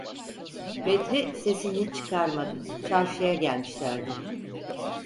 Bedri sesini çıkarmadı, çarşıya gelmişlerdi: